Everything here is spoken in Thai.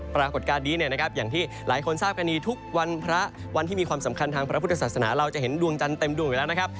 ปรากฏการณ์นี้เนี่ยนะครับอย่างที่หลายคนทราบกันดีทุกวันพระวันที่มีความสำคัญทางพระพุทธศาสนาเราจะเห็นดวงจันทร์เต็มดวงอยู่แล้วนะครับ